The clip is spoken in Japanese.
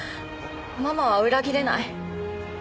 ママは裏切れない。